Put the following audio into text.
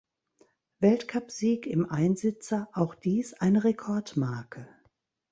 Weltcup-Sieg im Einsitzer, auch dies eine Rekordmarke.